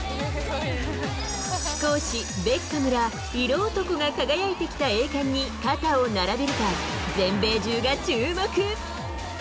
貴公子、ベッカムら色男が輝いてきた栄冠に肩を並べるか、全米中が注目。